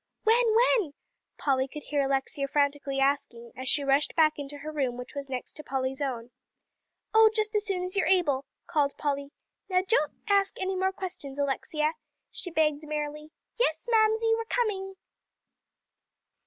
"When when?" Polly could hear Alexia frantically asking, as she rushed back into her room, which was next to Polly's own. "Oh, just as soon as you are able," called Polly. "Now don't ask any more questions, Alexia," she begged merrily. "Yes, Mamsie, we're coming!"